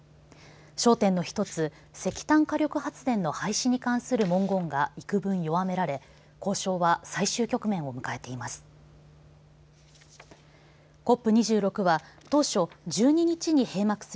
焦点の１つ石炭火力発電の廃止に関する文言がいくぶん弱められ交渉は最終局面を迎えています。